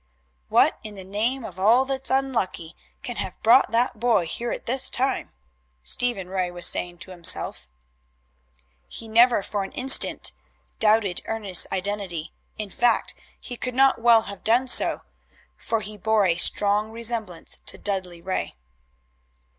"What in the name of all that's unlucky can have brought that boy here at this time?" Stephen Ray was saying to himself. He never for an instant doubted Ernest's identity in fact, he could not well have done so, for he bore a strong resemblance to Dudley Ray.